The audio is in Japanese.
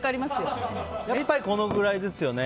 やっぱり、このくらいですよね。